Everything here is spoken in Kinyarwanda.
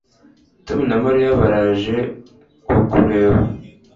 tom na mariya baraje kukureba